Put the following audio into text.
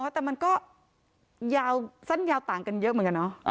แต่มันก็ยาวสั้นยาวต่างกันเยอะเหมือนกันเนอะ